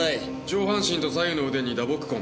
上半身と左右の腕に打撲痕。